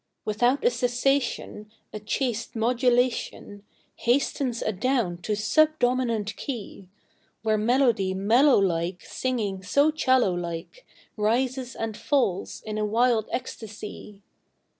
Without a cessation A chaste modulation Hastens adown to subdominant key, Where melody mellow like Singing so 'cello like Rises and falls in a wild ecstasy.